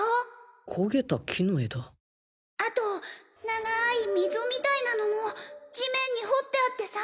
あと長い溝みたいなのも地面に掘ってあってさ！